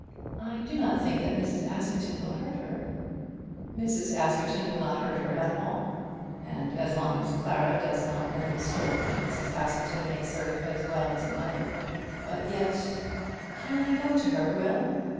"I do not think that Mrs. Askerton will hurt her." "Mrs. Askerton will not hurt her at all, and as long as Clara does not know the story, Mrs. Askerton may serve as well as another. But yet " "Can I go to her, Will?"